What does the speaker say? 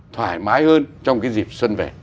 thoải mái hơn trong cái dịp sân